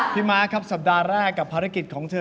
ม้าครับสัปดาห์แรกกับภารกิจของเธอ